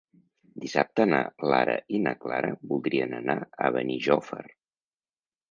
Dissabte na Lara i na Clara voldrien anar a Benijòfar.